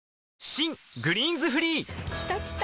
新「グリーンズフリー」きたきた！